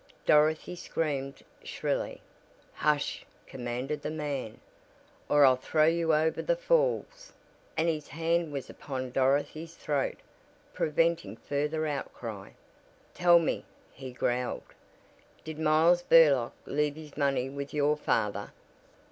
Dorothy screamed shrilly. "Hush!" commanded the man, "or I'll throw you over the falls!" and his hand was upon Dorothy's throat, preventing further outcry. "Tell me," he growled, "did Miles Burlock leave his money with your father?"